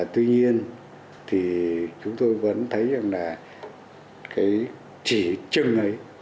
tuy nhiên thì chúng tôi vẫn thấy rằng là cái chỉ trưng ấy